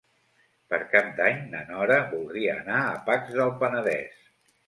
Per Cap d'Any na Nora voldria anar a Pacs del Penedès.